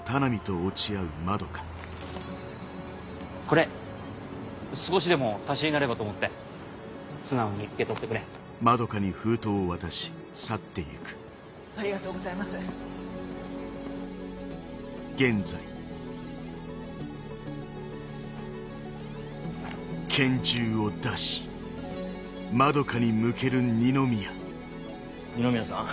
これ少しでも足しになればと思って素直に受け取ってくれありがとうございます二宮さん？